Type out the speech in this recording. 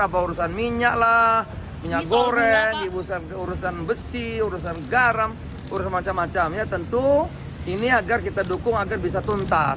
apa urusan minyak lah minyak goreng urusan besi urusan garam urusan macam macam ya tentu ini agar kita dukung agar bisa tuntas